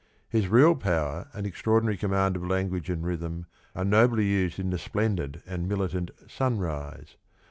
His real power and extraordinary command of language and rhythm are nobly used in the splendid and militant ' Sunrise.'